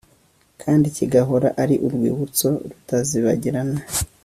kandi kigahora ari urwibutso rutazibagirana